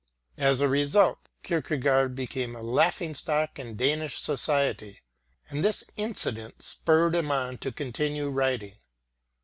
As a result, Kierkegaard became a laughingstock in Danish society, and this incident spurred him on to continue writing.